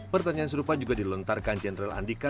pertanyaan serupa juga dilontarkan jenderal andika